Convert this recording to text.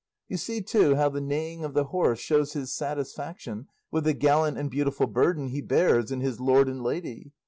You see, too, how the neighing of the horse shows his satisfaction with the gallant and beautiful burden he bears in his lord and lady.